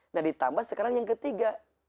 nah ditambah sekarang yang ketiga